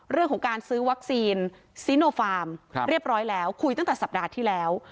เรื่องของการซื้อวัคซีนซีโนฟาร์มเรียบร้อยแล้วคุยตั้งแต่สัปดาห์ที่แล้ว